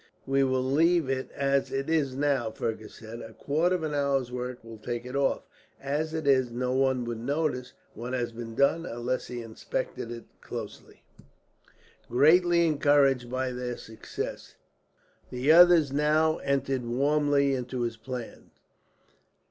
"We will leave it as it is now," Fergus said. "A quarter of an hour's work will take it off. As it is, no one would notice what has been done, unless he inspected it closely." Greatly encouraged by this success, the others now entered warmly into his plans.